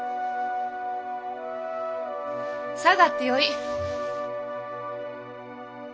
下がってよい。